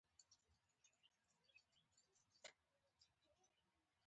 د کمېسیون درې تنو غړو بیاتۍ راواخیستې.